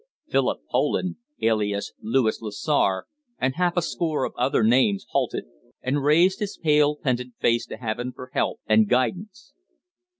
Philip Poland, alias Louis Lessar and half a score of other names, halted, and raised his pale, repentant face to Heaven for help and guidance.